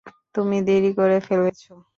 তুমি দেরি করে ফেলেছ।